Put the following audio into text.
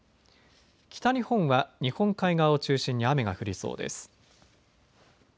北日本は日本海側を中心に雨が降りそうです。